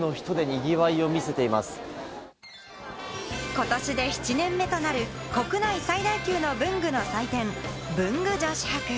ことしで７年目となる国内最大級の文具の祭典・文具女子博。